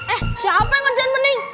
eh siapa yang ngerjain mending